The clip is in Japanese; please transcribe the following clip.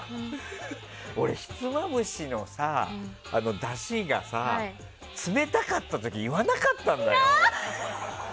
俺、ひつまぶしのだしが冷たかった時言わなかったんだよ。